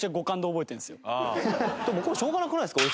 でもしょうがなくないですか？